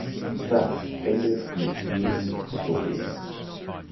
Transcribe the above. Thus ended Mrs. Dean’s story.